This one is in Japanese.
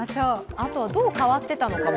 あとはどう変わっていたのかも。